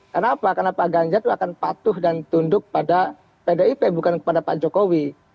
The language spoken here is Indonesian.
kenapa karena pak ganjar itu akan patuh dan tunduk pada pdip bukan kepada pak jokowi